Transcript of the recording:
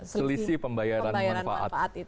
selisih pembayaran manfaat